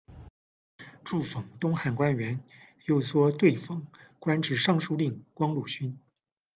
祝讽，东汉官员，又作祋讽，官至尚书令、光禄勋。